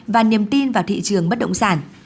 và niềm tin vào thị trường bất động sản